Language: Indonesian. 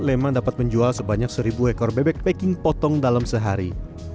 leman dapat menjual sebanyak seribu ekor bebek packing potong dalam sehari